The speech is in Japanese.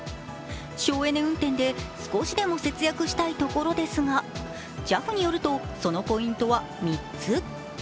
省エネ運転で少しでも節約したいところですがＪＡＦによるとそのポイントは３つ。